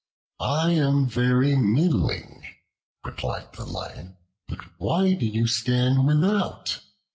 "I am very middling," replied the Lion, "but why do you stand without?